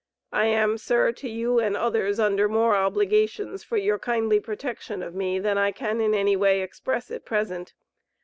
I am, sir, to you and others under more obligations for your kindly protection of me than I can in any way express at present.